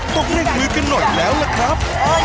ต้องเร่งมือกันหน่อยแล้วละครับ